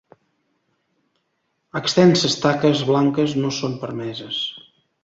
Extenses taques blanques no són permeses.